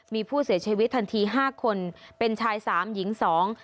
มีผู้เสียชีวิตทันทีห้าคนเป็นชายสามหญิงสอง